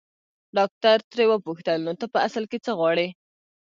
ډاکټر ترې وپوښتل نو ته په اصل کې څه غواړې.